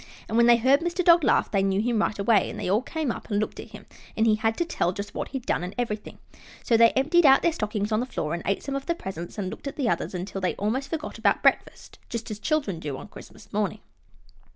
And when they heard Mr. Dog laugh they knew him right away, and they all came up and looked at him, and he had to tell just what he'd done and everything; so they emptied out their stockings on the floor and ate some of the presents and looked at the others, until they almost forgot about breakfast, just as children do on Christmas morning.